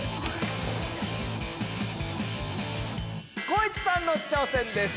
光一さんの挑戦です。